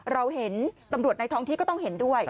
เราเห็นตำรวจในท้องที่ก็ต้องเห็นด้วย